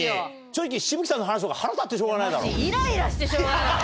正直紫吹さんの話とか腹立ってしょうがないだろ？